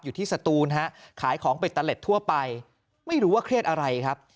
สตูนฮะขายของเบ็ดตะเล็ดทั่วไปไม่รู้ว่าเครียดอะไรครับ